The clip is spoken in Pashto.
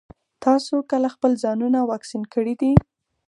تاسو کله خپل ځانونه واکسين کړي دي؟